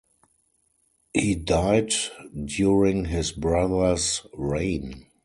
He died during his brother's reign.